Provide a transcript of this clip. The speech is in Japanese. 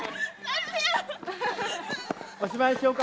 おしまいにしようか？